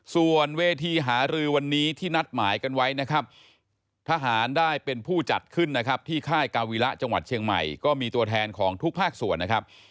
ส่วนเวทีหารือวันนี้ที่นัดหมายกันไว้นะครับทหารได้เป็นผู้จัดขึ้นนะครับที่ค่ายกาวีระจังหวัดเชียงใหม่ก็มีตัวแทนของทุกภาคส่วนนะครับ